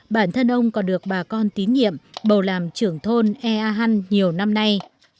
bản thân ông còn được bà con tín nhiệm bầu làm trưởng thôn ea hăn nhiều năm nay